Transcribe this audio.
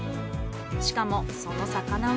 しかもその魚は。